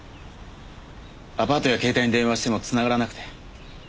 アパートや携帯に電話してもつながらなくて。